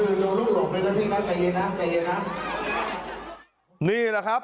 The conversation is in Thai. คนอื่นจะลุกหลบไปกันที่น้ำใจเย็นนะใจเย็นนะนี่แหละครับ